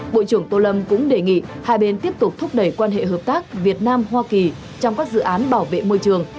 bộ trưởng tô lâm cũng đề nghị hai bên tiếp tục thúc đẩy quan hệ hợp tác việt nam hoa kỳ trong các dự án bảo vệ môi trường